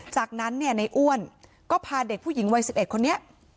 จากนั้นเนี่ยในอ้วนก็พาเด็กผู้หญิงวัย๑๑คนนี้